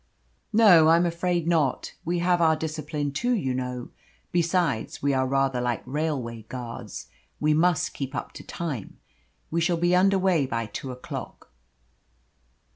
"No, I am afraid not. We have our discipline too, you know. Besides, we are rather like railway guards. We must keep up to time. We shall be under way by two o'clock."